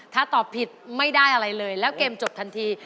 ถ้าตอบผิดไม่ได้อะไรเลยแล้วเกมจบทันที